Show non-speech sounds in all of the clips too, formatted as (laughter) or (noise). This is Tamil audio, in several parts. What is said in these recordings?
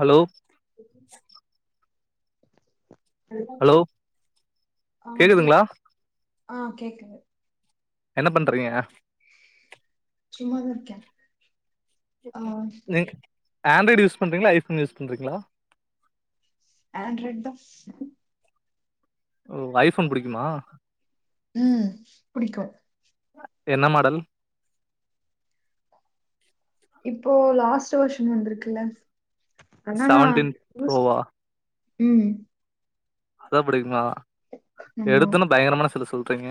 ஹலோ ஹலோ ஆ கேக் கேக்குதுங்களா ஆ கேக்குது என்ன பண்றீங்க சும்மாதா இருக்கே ஆ நீங்க் ஆண்ட்ராய்டு யூஸ் பண்றீங்ளா ஐ ஃபோன் யூஸ் பண்றீங்ளா ஆண்ட்ராய்ட் தா (inaudible) றே ஓ ஐ ஃபோன் புடிக்குமா ம் புடிக்கு என்ன மாடல் இப்போ லாஸ்ட்டு வெர்ஷன் வந்திருக்குல்ல ஆனா நா செவன்டீன் யூஸ் ப்ரோவா ம் அதா புடிக்குமா ஆமா எடுத்தொன்ன பயங்கரமான செல்லு சொல்றீங்க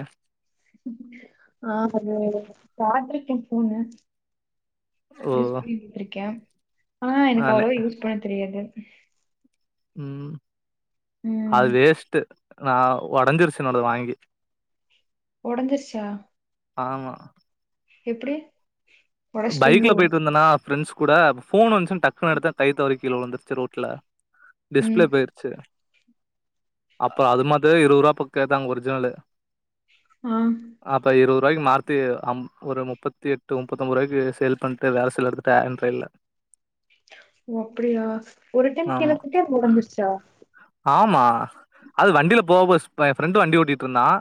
ஆ கம்மி வெலைல (unintelligible) ஃபோன்ங்க ஓ யூஸ் பண்ணிட்ருக்கே ஆனா எனக் நானு அவ்ளவா யூஸ் பண்ண தெரியாது ம் அது ம் வேஸ்ட்டு நா ஒடஞ்சிருச்சு என்னோடது வாங்கி ஒடஞ்சிருச்சா ஆமா எப்படி அ பைக்ல போய்ட்டு வந்தனா ப்ரெண்ட்ஸ் குட ஃபோன் வந்துச்சுன் டக்குனு எடுத்தேன் கைத்தவரி கீழ விழுந்துருச்சு ரோட்ல ம் டிஸ்பிளே போயிடு சேரி அப்ப அது மாத்தயே இருபது ரூபா பு கேட்டாங்க ஒரிஜினலு ஆ அப்ப இருபது ரூபாய்க்கு மாத்தி அம் ஒரு முப்பத்தி எட்டு ஒம் பத்தொம்பது ரூபாய்கு சேல் பண்ட்டு வேற செல் எடுத்துட்ட என்ட்ட இல்ல ஓ அப்படியா ஒரு டைம் ஆமா கீழபோட்டே ஒடஞ்சிருச்சா ஆமா அது வண்டியில போவோ ஃப்ரெண்ட் வண்டி ஓட்டிட்டு இருந்தான்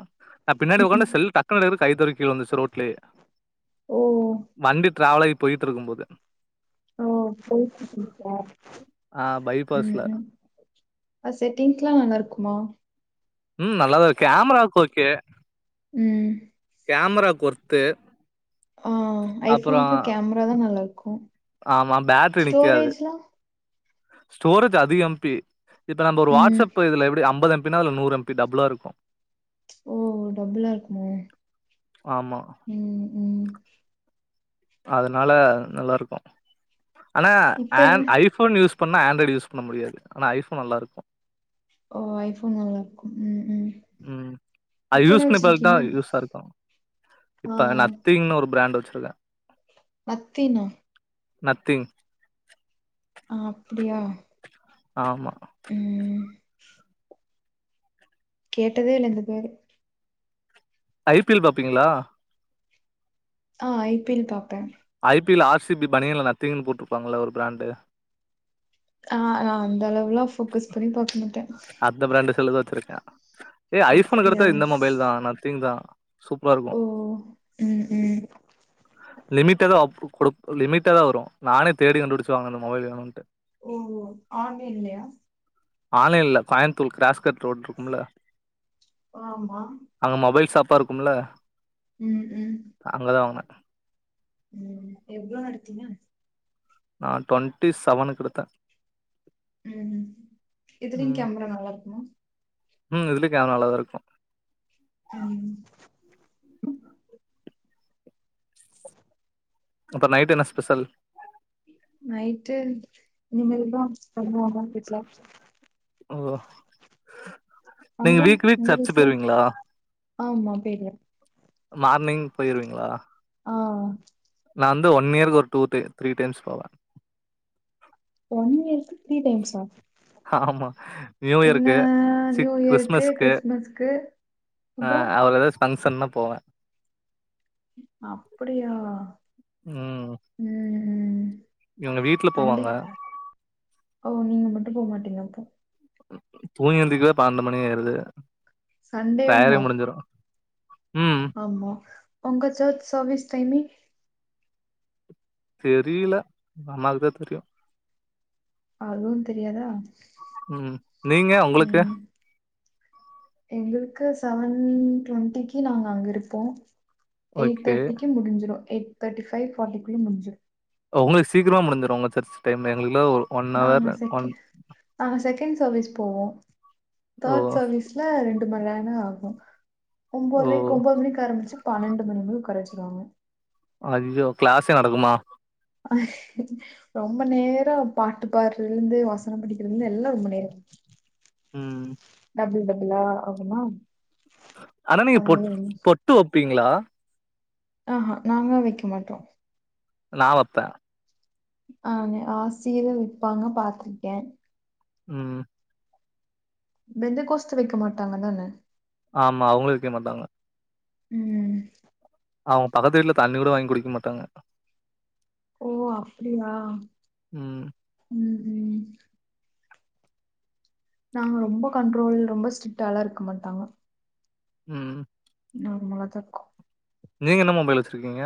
நான் பின்னாடி ஒக்காண்ட செல் டக்குனு கைதவறிக் கீழ விழுந்துருச்சு ரோட்லயே ஓ வண்டி டிராவல் ஆகி போயிட்டு இருக்கும் போது ஓ போயிட்டு இருக்கும் போதா ஆ ம் பைபாஸ்ல ம் அது செட்டிங் எல்லாம் நல்லா இருக்குமா ம் நல்லாதான் இருக்கு கேமராக்கு ஓகே ம் கேமராக்கு ஒர்த்து ஆ அப்புறோ ஐஃபோன்க்கு கேமரா தா நல்லா இருக்கும் ஆமா பேட்ரி நிக்காது ஸ்டோரேஜ்லாம் ஸ்டோரேஜ் அதிக எம் பி இப்ப நம்ம ஒரு ம் வாட்ஸ்அப் இதுல எப்படி ஐம்பது எம் பினா அதுல நூற் எம் பி டபுளா இருக்கும் ஓ டபுளா இருக்குமோ ஆமா ம் ம் அதனால நல்லா இருக்கும் ஆனா இப்போ என்ன ஹேன் ஐ ஃபோன் யூஸ் பண்ணா ஆண்ட்ராய்ட் யூஸ் பண்ண முடியாது ஆனா ஐஃபோன் நல்லாயிருக்கும் ஓ ஐஃபோன் நல்லாருக்கும் ம் ம் ம் அது இப்போ யூஸ் என்ன பண்ணி பாத்தா வச்சிருக்கீங்க யூஸா இருக்கும் ஆ இப்ப நத் கிங்னு ஒரு பிராண்ட் வச்சிருக்கேன் மத்தினா நத்திங் ஆ அப்படியா ஆமா ம் கேட்டதே இல்ல இந்த பேரு ஐ பி எல் பாப்பீங்களா ஆ ஐ பி எல் பாப்பேன் I P L R C B பணியன்ல நத்தீங்னு போட்டிருப்பாங்கள ஒரு ப்ராண்டு ஆ நா அந்த அளவுல்லாம் போக்கஸ் பண்ணி பாக்க மாட்டேன் அந்த ப்ராண்டு செல்லுதான் வச்சிருக்கேன் ஏய் ஐஃபோனு அப்படியா அடுத்த இந்த மொபைல் தான் நத்திங் தான் சூப்பரா ஓ இருக்கும் ம் ம் லிமிட்ட தான் அப் குடு லிமிட்டா தான் வரும் நானே தேடிகண்டுபுடிச்சு வாங்குனேன் இந்த மொபைல் வேணும்ன்ட்டு ஓ ஆன்லைன் இல்லையா ஆன்லைன்ல்ல கோயமத்தூர் கிராஸ் கட் ரோட் இருக்கும்ல ஆமா அங்க மொபைல் ஷாப்பா இருக்கும்ல ம் ம் அங்கதா வாங்கன ம் எவ்ளோன்னு எடுத்தீங்கா நான் டொண்ட்டி செவனுக்கு எடுத்த ம் இதுலியு ம் கேமரா நல்லா இருக்குமா ம் இதுலியு கேமரா நல்லாதா இருக்கு ம் அப்றோ நைட்டு என்னா ஸ்பெஷல் நைட்டு இனிமேல் தா பண்ணுவாங்க வீட்ல ஓ அங்க நீங்க வீக் வீக் உங்க சர்ச்சு வீட்ல போயிருவீங்ளா ஆமா பெரிய மார்னிங் போயிருவீங்ளா ஆ ஆ நா வந்து ஒன் இயர்க்கு ஒரு டூ தி த்ரீ டைம்ஸ் போவ ஒன் இயர்க்கு த்ரீ டைம்ஸா ஹாமா நியூ என்ன இயருக்கு நியூ சிக் இயருக்கு கிறிஸ்மஸ்க்கு கிறிஸ்மஸ்க்கு அ அப்றோ அவ்ளோதா ஃபங்சன்னா போவ அப்படியா இவுங்க வீட்ல சண்டே போவாங்க ஓ நீங்க மட்டு போமாட்டீங்க அப்போ தூங்கி எந்திக்கவே பன்னெண்டு மணி ஆயிருது சண்டேவுமா வேலய முடிஞ்சிரு ம் ஆமா உங்க சர்ச் சர்வீஸ் டைமிங் தெரியல எங்க அம்மாக்குதா தெரியு அதுவு தெரியாதா ம் நீங்க உங்களுக்கு ம் எங்களுக்கு செவன் டுவெண்ட்டிக்கு நாங்க அங்க இருப்போ எயிட் ஓகே தேர்டிக்கு முடிஞ்சிடு எயிட் தேட்டி ஃபைவ் ஃபாட்டிக்குள்ள முடிஞ்சிரு அ உங்களுக்கு சீக்கரமா முடிஞ்சுரு உங்க சர்ச் டைமு எங்களுக்குல்ல ஒரு ஒன் ஹவர் நாங்க ஒன் செக்கே நாங்க செகண்ட் சர்வீஸ் போவோ ஓ தேர்ட் சர்வீஸ் ல்ல ரெண்டு மரேரோ தாஆக ஓ ஒன்பதுரைக்கு ஒன்பது மணிக்கு ஆரம்பிச்சு பன்னெண்டு மணி வரையு உக்கார வச்சுருச்சாங்க அய்யோ கிளாஸ்சே நடக்குமா அஹ ரொம்ப நேரோ பாட்டு பாடுறதுல இருந்து வசனம் படிக்கிறதுல இருந்து எல்லா ரொம்ப நேரோ தா ம் (unintelligible) பட்டுலா ஆகுமா ஆனா நீங்க அதனால பொட் வந்து- பொட்டு வப்பீங்களா ஆஹ நாங்க வைக்க மாட்டோ நா வப்ப ஆன்னு ஆசியிர வைப்பாங்க பாத்திருக்கே ம் பெந்த கோஸ்ட்டு வைக்க மாட்டாங்க தான ஆமா அவுங்களு வைக்க மாட்டாங்க ம் அவங்க பக்கத்து வீட்டுல தண்ணி கூட வாங்கி குடிக்க மாட்டாங்க ஓ அப்டியா ம் உம் நாங்க ரொம்ப கண்ட்ரோல் ரொம்ப ஸ்ட்ரிக்டாலா இருக்க மாட்டாங்க ம் நார்மலா தா இருக்கம் நீங்க என்ன மொபைல் வச்சுருகீங்க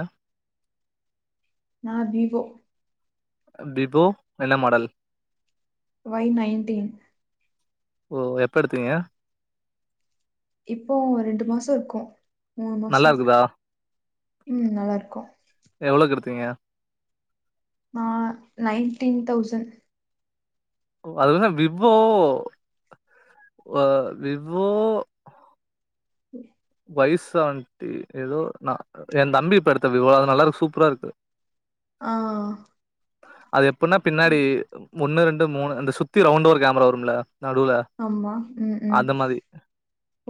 நா வீவோ விபொ என்ன மாடல் வொய் நைன்டீன் ஓ எப்ப எடுத்தீங்க இப்போ ரெண்டு மாச இருக்கும் மூணு நல்லா மாசம் இருக்குதா ம் நல்லாருக்கும் எவ்ளோக்கு எடுதீங்க மா நைன்டீன் தௌசண் (unintelligible) விவொ அ விவோ வய்சாந்தி எதோ நா என் தம்பி இப்ப எடுத்த விவொ அது நல்லாருகு சூப்பரா இருக்கு ஆ அது எப்பன்னா பின்னாடி ஒன்னு ரெண்டு மூணு அந்த சுத்தி ரவுண்டு ஒரு கேமரா வரும்ல நடுவுல ஆமா ம் ம் அந்த மாரி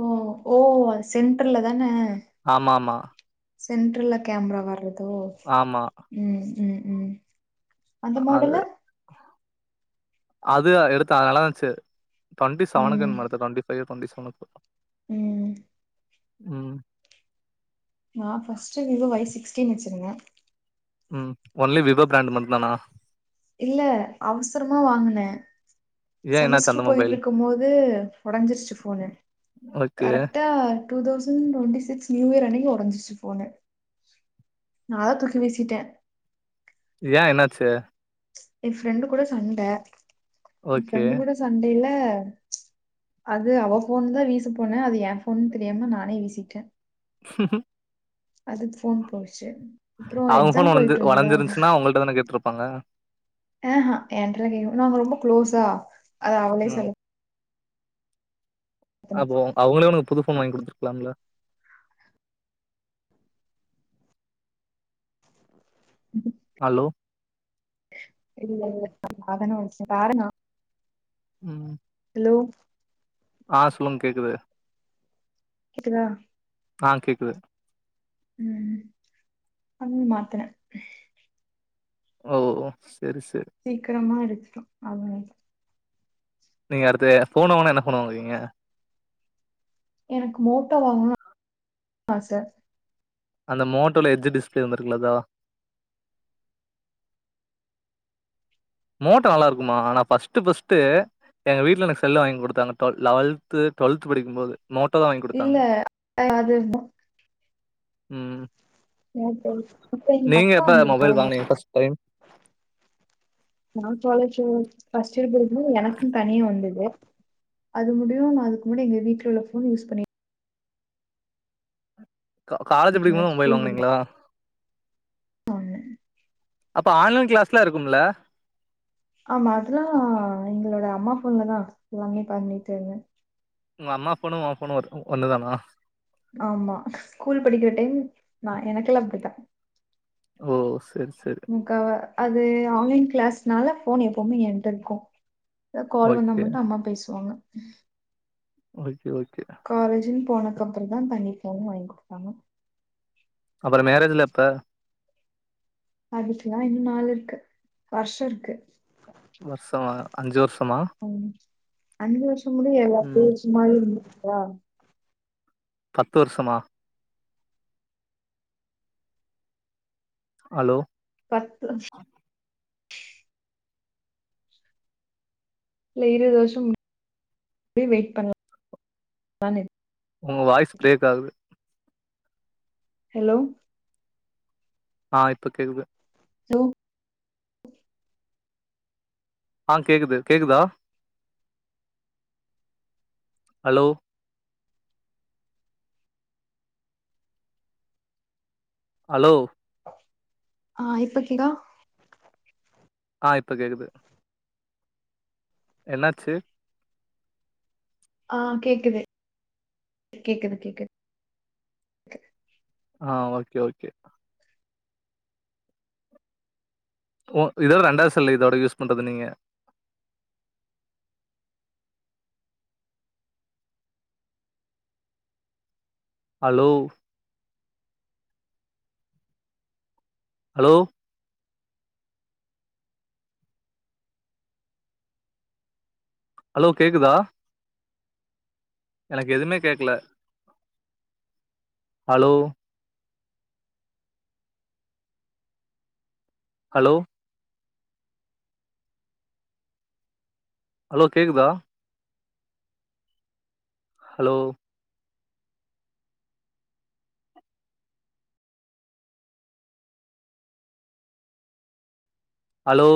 ஒ ஓ சென்டர்ல்ல தான ஆமா ஆமா சென்டர்ல்ல கேமரா வர்றதோ ஆமா ம் ம் ம் அந்த அது மாடலு அது ஆ எடுத்தா நல்லாதாஞ்சு டொண்டிசவனுக்கு ம் என்மோ எடுத்தா டொண்டிஃபையோ டொண்டிசவனோ ம் ம் நா ஃபஸ்ட்டு விவோ வொய் சிக்ஸ்டீன் வச்சிருந்தன் ம் ஒன்லி விவொ ப்ராண்ட் மட்டுதானா இல்ல அவசரமா வாங்குன ஏ என்னாச்சு செமஸ்ட்ரு அந்த மொபைல் போயிட்ருக்கும் போது ஒடஞ்சிருச்சு ஃபோனு ஓகே கரெக்டா டூதௌசண்டொண்டி சிக்ஸ் நியூயர் அன்னிக்கி ஒடஞ்சிச்சு ஃபோனு நாதா தூக்கி வீசிட்டே ஏன் என்னாச்சு என் ஃப்ரண்டு கூட சண்ட ஓகே ஃப்ரண்டு கூட சண்டைல அது அவ ஃபோன் தா வீச போன அது என் ஃபோன் தெரியாம நானே வீசிட்ட அதுக் ஃபோன் போச்சு அவங்க ஃபோன் ஒடஞ்சு ஒடஞ்சிருந்சுனா உங்ககிட்ட தான கேட்ருப்பாங்க ஏ ஆ என்டலா கேக்க நாங்க ரொம்ப க்ளோஸா அத அவளே ம் சொல்லு ஆரம்பிப்பா. அப்போ அவங்களே உனக்கு புது ஃபோன் வாங்கி குடுத்துருக்லாம்ல ஹலோ இல்ல இல்ல நாந்தான ஒடச்சே காரணொ ம் ஹலோ ஆ சொல்லுங் கேக்குது கேக்குதா ஆ கேக்குது ம் அங்மாத்துனே ஓ செரி செரி சீக்கரமா எடுத்துட்டோ அதா நீங்க அடுத்து ஃபோன் வாங்குனா என்ன ஃபோன் வாங்குவீங்க எனக்கு மோட்டோ வாங்கணுனு ஆச அந்த மோட்டோல எட்ஜ் டிஸ்பிளே வந்துருக்குல அதா மோட்டோ நல்லாருக்குமா ஆனா ஃபஸ்ட்டு ஃபஸ்ட்டு எங்க வீட்ல எனக்கு செல்லு வாங்கி குடுத்தாங்க டுவ லவல்த்து டுவெல்த் படிக்கும் போது மோட்டோ தா வாங்கி குடுத்தாங்க இல்ல அது ம் இப்ப எங்க நீங்க அக்கா எப்ப வந்திருக்கா மொபைல் வாங்குனீங்க ஃபஸ்ட் டைம் நா காலேஜு ஃபஸ்ட் இயர் படிக்கும் போது எனக்குன் தனியா வந்தது அது முடியு நா அதுக்கு முன்னாடி எங்க வீட்ல உள்ள ஃபோன் யூஸ் பண்ணி கா காலேஜு படிக்கும் போது மொபைல் ஸ்கூல் படிக்கும்போது வாங்குனிங்களா வாங்குனே அப்ப ஆன்லைன் கிளாஸ்லா இருக்குமுல்ல ஆமா அதெல்லாம் எங்களோட அம்மா ஃபோன்லதா எல்லாமே பண்ணிட்டு இருந்தே ஒங்க அம்மா ஃபோனு ஓ ஃபோனு ஒண்ணு தானா ஆமா ஸ்கூல் படிக்கிற டைம் நா எனக்கல்லா அப்டித்தா ஓ செர் செரி முக்காவ அது ஆன்லைன் கிளாஸ்னால ஃபோன் எப்பவுமே ஏன்ட்டருக்கு எதா கால் வந்தா ஓகே மட்டு அம்மா பேசுவாங்க ஓகே ஓகே காலேஜுன் போனக்கப்பறந் தா தனி ஃபோன் வாங்கி குடுத்தாங்க அப்பறோ மேரேஜல்லா எப்ப அதுக்கலா இன்னு நாள் இருக்கு வர்ஷோ இருக்கு வர்ஷமா அஞ்சு வர்ஷமா ம் அஞ்சு வருஷ முடிய ம் எல்லாத்தேயு சும்மாவே இருந்துக்கவா பத்து வருஷமா ஹலோ பத்து இல்ல இருவது வருஷோ வெயிட் பண்லான் இரு ஒங்க வாய்ஸ் பிரேக் ஆகுது ஹலோ ஆ இப்ப கேக்குது ஹலோ ஆ கேக்குது கேக்குதா அலோ அலோ ஆ இப்ப கேக்தா ஆ இப்ப கேக்குது என்னாச்சு ஆ கேக்குது கேக்குது கேக்குது ஆ ஓகே ஓகே ஓ இதோட ரெண்டாது செல்லு இதோட யூஸ் பண்றது நீங்க அலோ ஹலோ ஹலோ கேக்குதா எனக்கு எதுமே கேக்கல அலோ ஹலோ ஹலோ கேக்குதா ஹலோ ஹலோ